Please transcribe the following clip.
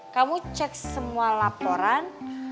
kamu cek semua laporan